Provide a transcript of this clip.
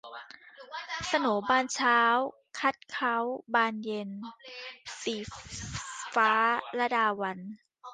โสนบานเช้าคัดเค้าบานเย็น - ศรีฟ้า ลดาวัลย์